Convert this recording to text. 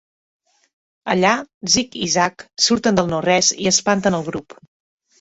Allà, Zig i Zag surten del no res i espanten el grup.